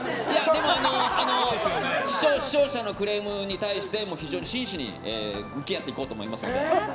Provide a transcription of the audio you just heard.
でも、視聴者のクレームに対しても非常に真摯に向き合っていこうと思いますので。